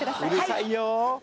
うるさいよ